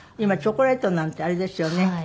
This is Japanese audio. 今チョコレートなんてあれですよね。